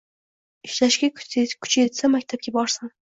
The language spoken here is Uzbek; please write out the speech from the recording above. Ishlashga kuchi yetsa maktabga borsin.